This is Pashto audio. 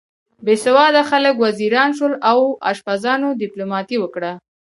بې سواده خلک وزیران شول او اشپزانو دیپلوماتۍ وکړه.